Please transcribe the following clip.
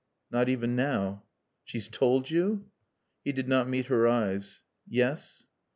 "Not even now." "She's toald yo'?" He did not meet her eyes. "Yes."